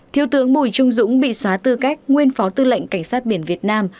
thiếu tướng bùi trung dũng bị xóa tư cách nguyên phó tư lệnh cảnh sát biển việt nam